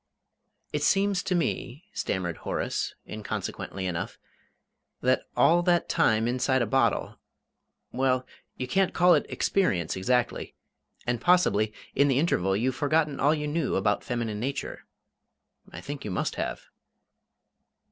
"It seems to me," stammered Horace, inconsequently enough, "that all that time inside a bottle well, you can't call it experience exactly; and possibly in the interval you've forgotten all you knew about feminine nature. I think you must have."